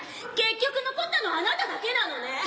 結局残ったのあなただけなのね。